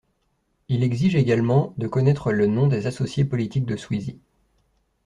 Il exige également de connaître le nom des associés politiques de Sweezy.